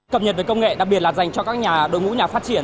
cập nhật về công nghệ đặc biệt là dành cho các nhà đội ngũ nhà phát triển